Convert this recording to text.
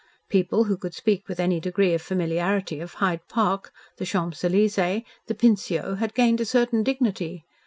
People who could speak with any degree of familiarity of Hyde Park, the Champs Elysees, the Pincio, had gained a certain dignity.